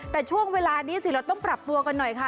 แต่ช่วงเวลานี้สิเราต้องปรับตัวกันหน่อยค่ะ